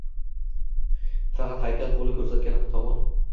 Faqat haykal qoʻli koʻrsatgan tomon